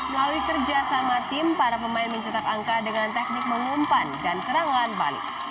melalui kerja sama tim para pemain mencetak angka dengan teknik mengumpan dan serangan panik